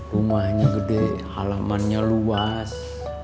rumahnya gede alamannya luas